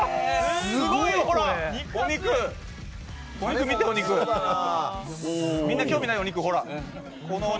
すごい、お肉。